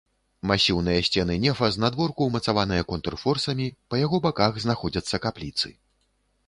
Масіўныя сцены нефа знадворку ўмацаваныя контрфорсамі, па яго баках знаходзяцца капліцы.